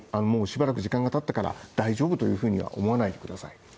もうしばらく時間が経ったから大丈夫というふうには思わないでください。